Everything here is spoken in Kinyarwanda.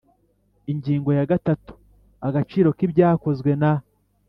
Ingingo ya gatatu Agaciro k ibyakozwe na